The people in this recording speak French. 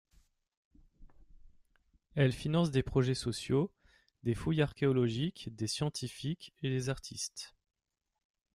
Elle finance des projets sociaux, des fouilles archéologiques, des scientifiques et des artistes.